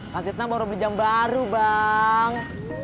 kak tisna baru beli jam baru bang